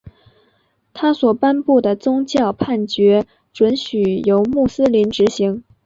他所颁布的宗教判决准许由穆斯林执行。